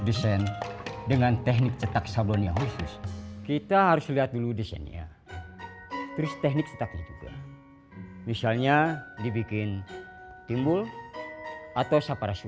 decent dengan teknik cetak sablon gitu rights juga misalnya di bikin timbul atau m vs loh